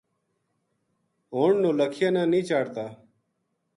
ہن نو لکھیا نا نیہہ چاڑھتا